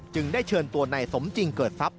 จึงได้เชิญตัวในสมจริงเกิดทรัพย์